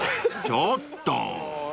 ［ちょっとー］